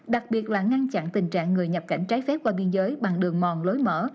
đặc biệt là ngăn chặn tình trạng người nhập cảnh trái phép qua biên giới bằng đường mòn lối mở